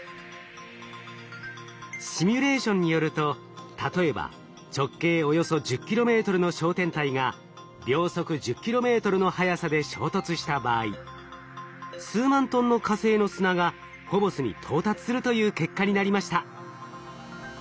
シミュレーションによると例えば直径およそ１０ｋｍの小天体が秒速１０ｋｍの速さで衝突した場合数万トンの火星の砂がフォボスに到達するという結果になりました。